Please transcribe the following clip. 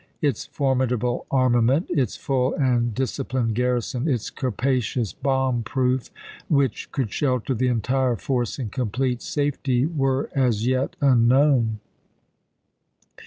Its formidable armament, its full and dis ciplined garrison, its capacious bomb proof, which could shelter the entire force in complete safety, were as yet unknown.